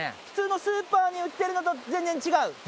普通のスーパーに売ってるのと、全然違う？